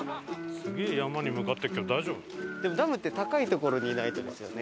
でもダムって高い所にないとですよね。